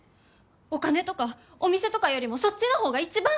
お金とかお店とかよりもそっちの方が一番！